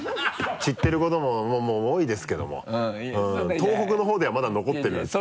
「散ってることも多いですけども東北のほうではまだ残ってる」っていう。